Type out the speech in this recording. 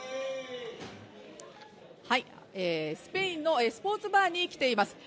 スペインのスポーツバーに来ています。